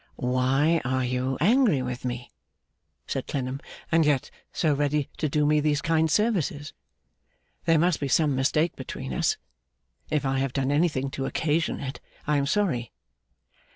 'Why are you angry with me,' said Clennam, 'and yet so ready to do me these kind services? There must be some mistake between us. If I have done anything to occasion it I am sorry.